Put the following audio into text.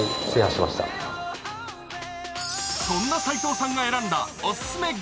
そんな齊藤さんが選んだお勧め